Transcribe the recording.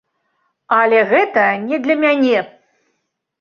Але гэта не для мяне!